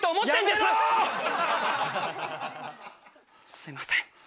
すいません。